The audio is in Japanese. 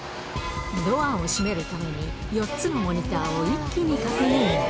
ドアを閉めるために、４つのモニターを一気に確認。